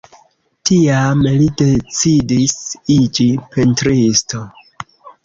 Tiam li decidis iĝi pentristo.